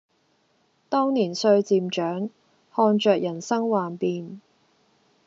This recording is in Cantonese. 當年歲漸長，看著人生幻變